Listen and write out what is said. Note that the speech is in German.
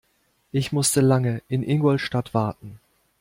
Ich musste lange in Ingolstadt warten